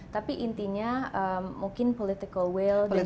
tapi intinya mungkin political will dan juga